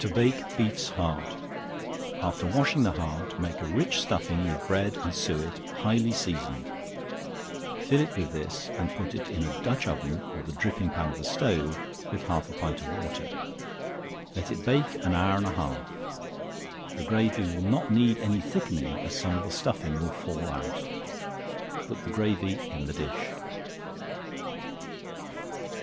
To Bake Beef's Heart. After washing the heart, make a rich stuffing with bread and suet, highly seasoned; fill it with this, and put it in a dutch oven, or the dripping pan of a stove, with half a pint of water; let it bake an hour and a half; the gravy will not need any thickening, as some of the stuffing will fall out. Put the gravy in the dish.